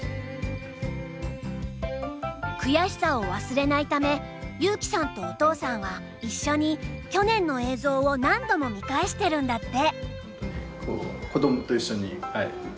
悔しさを忘れないため優希さんとお父さんは一緒に去年の映像を何度も見返してるんだって。